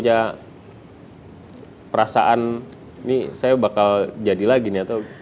tapi kalau posisi saya sudah sudah berhenti